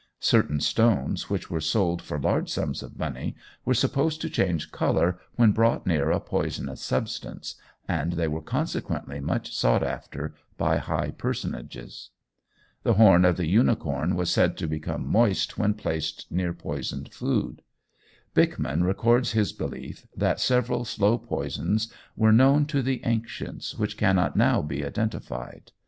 Certain stones which were sold for large sums of money were supposed to change colour when brought near a poisonous substance, and they were consequently much sought after by high personages. The horn of the unicorn was said to become moist when placed near poisoned food. Bickman records his belief that several slow poisons were known to the ancients which cannot now be identified.